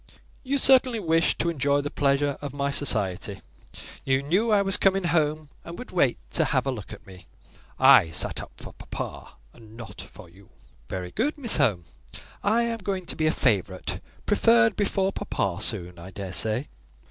"You certainly wished to enjoy the pleasure of my society. You knew I was coming home, and would wait to have a look at me." "I sat up for papa, and not for you." "Very good, Miss Home. I am going to be a favourite: preferred before papa soon, I daresay."